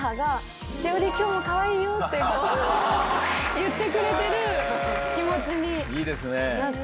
言ってくれてる気持ちになって。